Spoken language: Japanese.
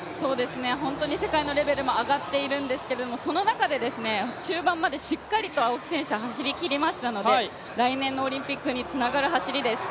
本当に世界のレベルも上がっているんですけども、その中で、終盤までしっかりと青木選手は走りきりましたので来年のオリンピックにつながる走りです。